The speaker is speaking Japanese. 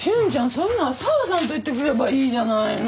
そういうのは紗和さんと行ってくればいいじゃないの。